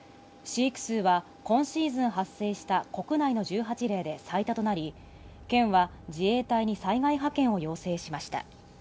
飼育数は今シーズン発生した国内の１８例で最多となり県は自衛隊に災害派遣を要請しました